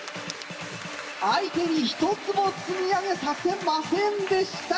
相手に１つも積み上げさせませんでした！